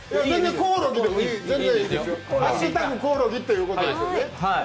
「＃コオロギ」ってことですよね